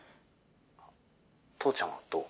父ちゃんはどう？